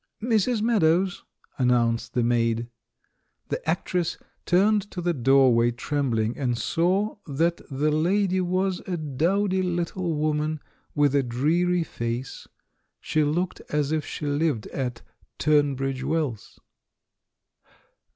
"Mrs. Meadows," announced the maid. The actress turned to the doorway, trembling, and saw that the lady was a dowdy little woman with a dreary 856 THE MAN WHO UNDERSTOOD WOMEN face; she looked as if she lived at Tunbridge Wells.